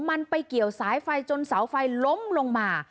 มันไปเกี่ยวสายไฟจนเสาไฟล้มลงมา